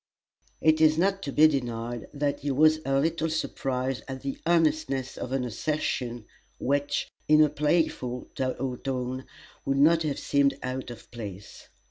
It is not to be denied that he was a little surprised at the earnestness of an assertion which, in a playful tone, would not have seemed out of place.